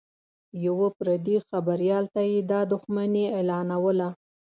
یوه پردي خبریال ته یې دا دښمني اعلانوله